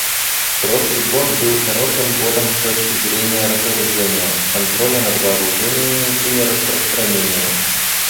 Прошлый год был хорошим годом с точки зрения разоружения, контроля над вооружениями и нераспространения.